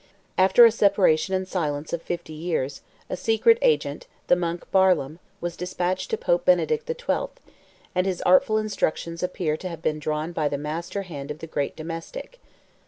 After a separation and silence of fifty years, a secret agent, the monk Barlaam, was despatched to Pope Benedict the Twelfth; and his artful instructions appear to have been drawn by the master hand of the great domestic.